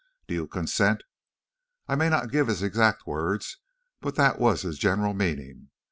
Do you consent?' I may not give his exact words, but that was his general meaning.